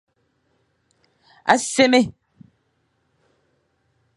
A sémé.